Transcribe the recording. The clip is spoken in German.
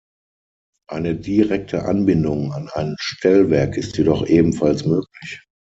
Eine direkte Anbindung an ein Stellwerk ist jedoch ebenfalls möglich.